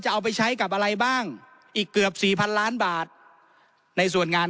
เอาไปใช้กับอะไรบ้างอีกเกือบสี่พันล้านบาทในส่วนงาน